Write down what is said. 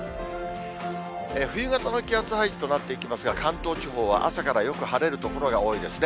冬型の気圧配置となっていきますが、関東地方は朝からよく晴れる所が多いですね。